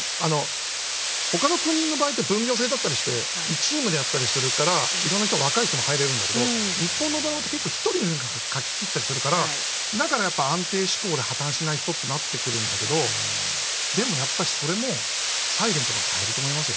ほかの国の場合って分業制だったりしてチームでやったりするからいろんな人若い人も入れるんだけど日本のドラマって結構１人で書き切ったりするからだからやっぱ安定志向で破綻しない人ってなってくるんだけどでもやっぱりそれも「ｓｉｌｅｎｔ」が変えると思いますよ。